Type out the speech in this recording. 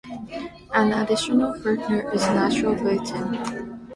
An additional partner is Natural Britain.